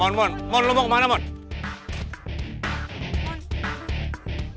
eh kok kalau onder gua sur earrings